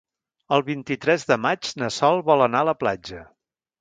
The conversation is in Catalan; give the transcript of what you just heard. El vint-i-tres de maig na Sol vol anar a la platja.